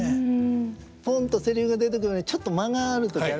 ポンとセリフ出てくるまでにちょっと間がある時ありますね